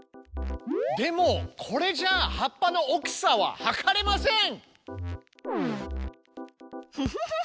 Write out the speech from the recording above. でもこれじゃあ葉っぱの大きさははかれません！